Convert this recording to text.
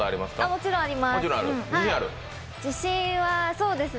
もちろんあります。